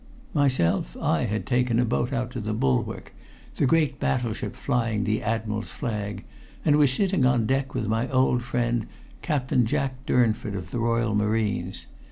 Myself, I had taken a boat out to the Bulwark, the great battleship flying the Admiral's flag, and was sitting on deck with my old friend Captain Jack Durnford, of the Royal Marines.